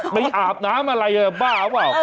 ไปอาบน้ำอะไรบ้าว